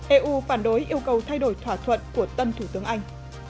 eu phản đối yêu cầu thay đổi thỏa thuận của tân thủ tướng anh